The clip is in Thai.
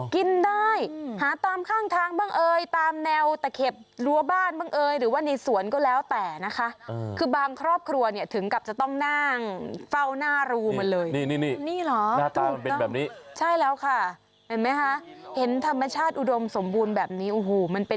กินได้หาตามข้างทางบ้างเอ้ยตามแนวตะเข็บรั้วบ้านบ้างเอ้ยหรือว่าในสวนก็แล้วแต่นะคะคือบางครอบครัวเนี่ยถึงกับจะต้องนั่งเฝ้าหน้ารู้มันเลย